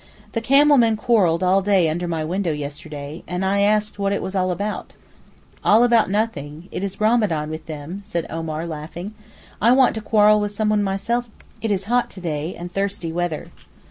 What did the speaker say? The camel men quarrelled all day under my window yesterday, and I asked what it was all about. 'All about nothing; it is Ramadán with them,' said Omar laughing. 'I want to quarrel with someone myself; it is hot to day, and thirsty weather.